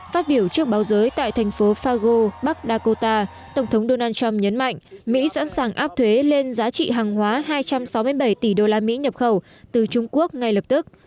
phát biểu trước báo giới tại thành phố fago bắc dakota tổng thống donald trump nhấn mạnh mỹ sẵn sàng áp thuế lên giá trị hàng hóa hai trăm sáu mươi bảy tỷ đô la mỹ nhập khẩu từ trung quốc ngay lập tức